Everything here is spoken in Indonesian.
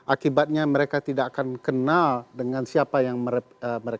akibatnya mereka tidak akan kenal dengan siapa yang mereka